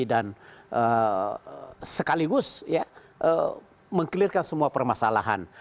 dan sekaligus mengkelirkan semua permasalahan